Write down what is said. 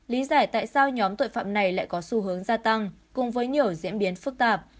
lý giải tại sao nhóm tội phạm này lại có xu hướng gia tăng cùng với nhiều diễn biến phức tạp